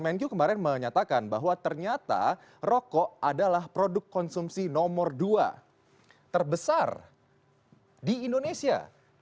menkyu kemarin menyatakan bahwa ternyata rokok adalah produk konsumsi nomor dua terbesar di indonesia